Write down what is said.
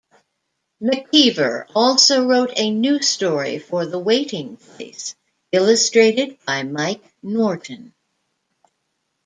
McKeever also wrote a new story for "The Waiting Place" illustrated by Mike Norton.